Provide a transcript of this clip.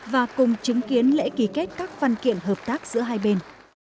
và cùng chứng kiến lễ ký kết các văn kiện hợp tác giữa hai bên